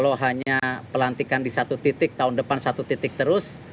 kalau hanya pelantikan di satu titik tahun depan satu titik terus